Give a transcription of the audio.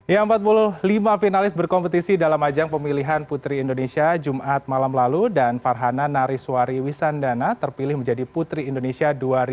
ya empat puluh lima finalis berkompetisi dalam ajang pemilihan putri indonesia jumat malam lalu dan farhana nariswari wisandana terpilih menjadi putri indonesia dua ribu dua puluh